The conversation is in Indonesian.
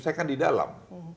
saya kan di dalam